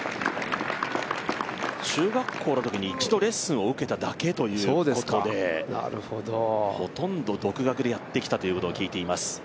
中学校のときに一度レッスンを受けただけということでほとんど独学でやってきたということを聞いています。